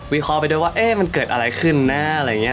เคราะห์ไปด้วยว่าเอ๊ะมันเกิดอะไรขึ้นนะอะไรอย่างนี้